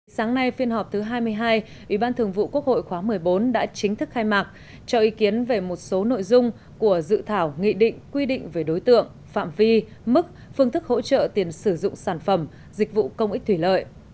sáng nay phiên họp thứ hai mươi hai ủy ban thường vụ quốc hội khóa một mươi bốn đã chính thức khai mạc cho ý kiến về một số nội dung của dự thảo nghị định quy định về đối tượng phạm vi mức phương thức hỗ trợ tiền sử dụng sản phẩm dịch vụ công ích thủy lợi